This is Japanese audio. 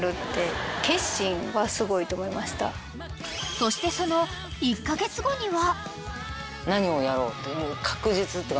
［そしてその１カ月後には］